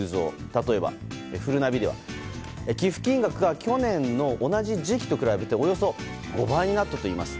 例えば、ふるなびでは寄付金額が去年の同じ時期と比べておよそ５倍になったといいます。